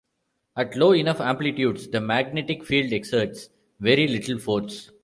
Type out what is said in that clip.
At low enough amplitudes the magnetic field exerts very little force.